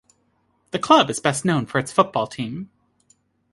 The club is best known for its football team.